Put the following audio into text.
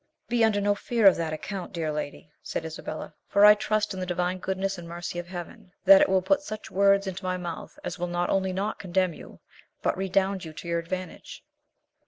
"Be under no fear on that account, dear lady," said Isabella; "for I trust in the divine goodness and mercy of Heaven, that it will put such words into my mouth as will not only not condemn you, but redound to your advantage."